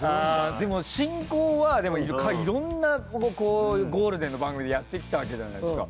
でも進行はいろんなゴールデンの番組でやってきたわけじゃないですか。